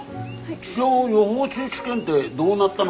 気象予報士試験ってどうなったの？